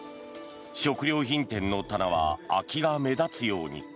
食料品店の棚は空きが目立つように。